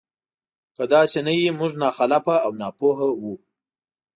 که داسې نه وي موږ ناخلفه او ناپوهه وو.